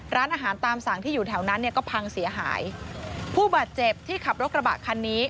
ร้านอาหารตามสั่งที่อยู่แถวนั้นเนี่ยก็พังเสียหายผู้บาดเจ็บที่ขับรถกระบะคันนี้